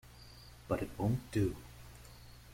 But it won’t do.